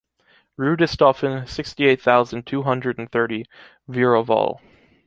Rue du Stauffen, sixty-eight thousand two hundred and thirty, Wihr-au-Val.